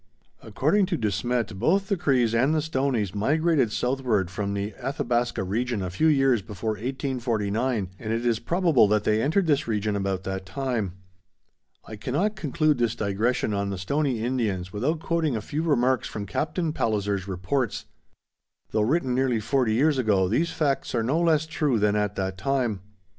According to De Smet, both the Crees and the Stoneys migrated southward from the Athabasca region a few years before 1849, and it is probable that they entered this region about that time. I cannot conclude this digression on the Stoney Indians without quoting a few remarks from Captain Palliser's reports. Though written nearly forty years ago these facts are no less true than at that time.